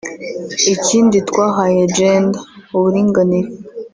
Ikindi twahaye Gender (uburinganire)